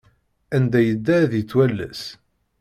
Anda yedda ad yettwalas.